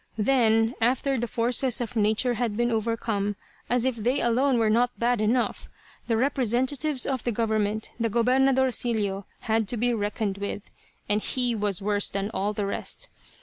Then, after the forces of nature had been overcome, as if they alone were not bad enough, the representatives of the government, the "Gobernadorcillo," had to be reckoned with; and he was worse than all the rest.